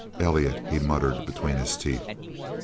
"Elliot!" he muttered between his teeth.